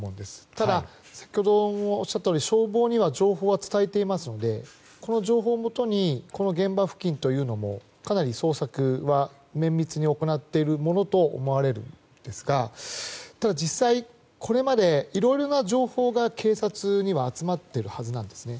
ただ先ほどもおっしゃったように消防に情報は伝えておりますのでこの情報をもとにこの現場付近というのもかなり捜索は綿密に行っているものと思われますがただ、実際、これまでいろいろな情報が警察には集まっているはずなんですね。